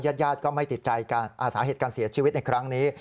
ญาติญาติก็ไม่ติดใจสาเหตุการเสียชีวิตในครั้งนี้